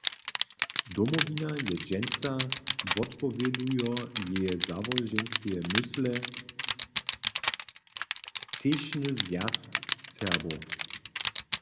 Domowina je dźensa, wotpowědujo jeje załoženskeje mysle, třěšny zwjazk Serbow.